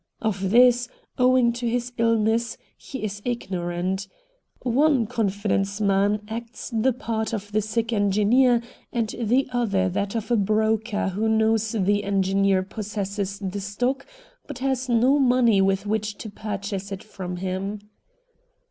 Of this, owing to his illness, he is ignorant. One confidence man acts the part of the sick engineer, and the other that of a broker who knows the engineer possesses the stock but has no money with which to purchase it from him.